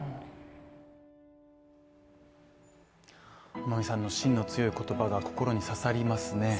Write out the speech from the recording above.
天海さんの芯の強い言葉が心に刺さりますね